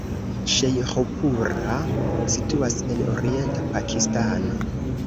Ŝejĥupura situas en orienta Pakistano.